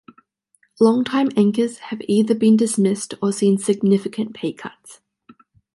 Longtime anchors have either been dismissed or seen significant pay cuts.